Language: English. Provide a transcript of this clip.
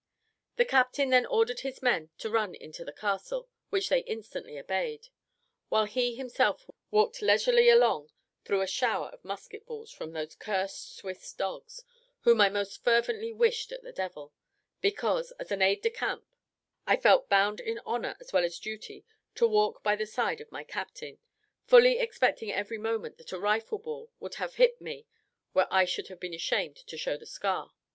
The captain then ordered his men to run into the castle, which they instantly obeyed; while he himself walked leisurely along through a shower of musket balls from those cursed Swiss dogs, whom I most fervently wished at the devil, because, as an aide de camp, I felt bound in honour as well as duty to walk by the side of my captain, fully expecting every moment that a rifle ball would have hit me where I should have been ashamed to show the scar.